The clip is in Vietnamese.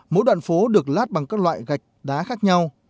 mỗi đoạn phố được lát bằng các loại gạch đá khác nhau